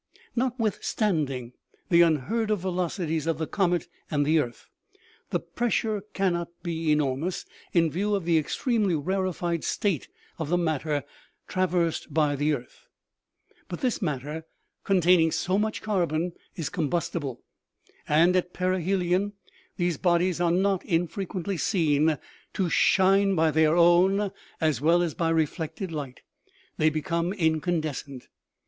" Notwithstanding the unheard of velocities of the comet and the earth, the pressure cannot be enormous, in view of the extremely rarified state of the matter traversed by the earth ; but this matter, containing so much carbon, is combustible, and at perihelion these bodies are not infre quently seen to shine by their own as well as by reflected light : they become incandescent.